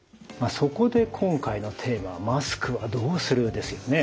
そこで今回のテーマはマスクはどうする？ですよね。